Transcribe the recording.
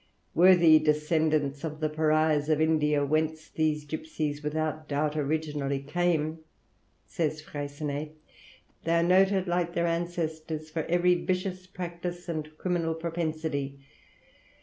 "Worthy descendants of the Pariahs of India, whence these gipsies without doubt originally came," says Freycinet, "they are noted like their ancestors for every vicious practice and criminal propensity.